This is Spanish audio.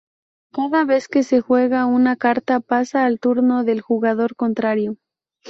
Cada vez que se juega una carta, pasa al turno del jugador contrario.